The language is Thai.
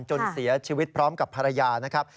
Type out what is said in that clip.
จนเสียชีวิตพร้อมกับภรรยานะครับ